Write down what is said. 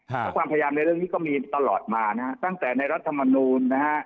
เพราะความพยายามในเรื่องนี้ก็มีตลอดมานะฮะตั้งแต่ในรัฐมนูลนะฮะ